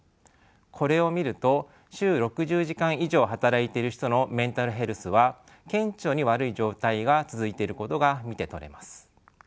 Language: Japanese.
これを見ると週６０時間以上働いてる人のメンタルヘルスは顕著に悪い状態が続いていることが見て取れます。